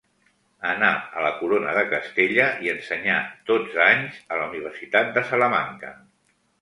Anà a la Corona de Castella i ensenyà dotze anys a la Universitat de Salamanca.